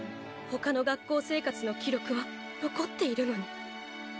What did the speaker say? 他の学校生活の記録は残っているのに。